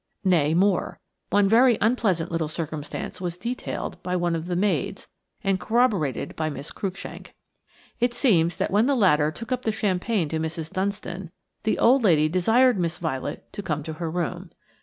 Nay, more. One very unpleasant little circumstance was detailed by one of the maids and corroborated by Miss Cruikshank. It seems that when the latter took up the champagne to Mrs. Dunstan, the old lady desired Miss Violet to come to her room.